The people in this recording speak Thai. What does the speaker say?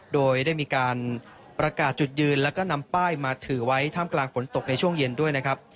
โดยได้มีการประกาศจุดยืนแล้วก็นำป้ายมาถือไว้ท่ามกลางฝนตกในช่วงเย็นด้วยนะครับ